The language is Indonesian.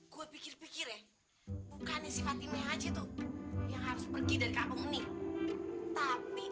gue pikir pikir ya bukannya sifat timnya aja tuh yang harus pergi dari kampung ini tapi